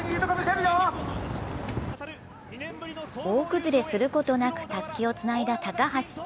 大崩れすることなくたすきをつないだ高橋。